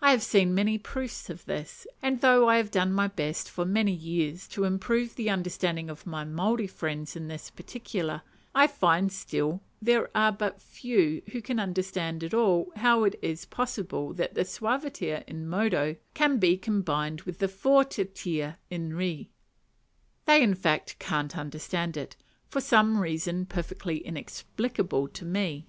I have seen many proofs of this, and though I have done my best for many years to improve the understanding of my Maori friends in this particular, I find still there are but very few who can understand at all how it is possible that the suaviter in modo can be combined with the fortiter in re. They in fact can't understand it, for some reason perfectly inexplicable to me.